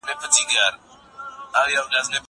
درسونه واوره!!